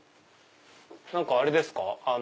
何かあれですか？